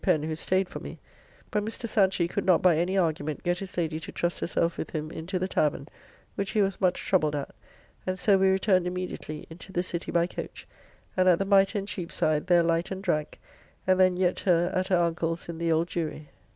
Pen who staid for me; but Mr. Sanchy could not by any argument get his lady to trust herself with him into the tavern, which he was much troubled at, and so we returned immediately into the city by coach, and at the Mitre in Cheapside there light and drank, and then yet her at her uncle's in the Old Jewry.